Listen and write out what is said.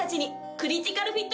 クリティカルフィット！